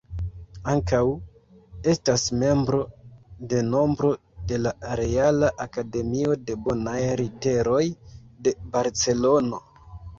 Ankaŭ estas membro de nombro de la Reala Akademio de Bonaj Literoj de Barcelono.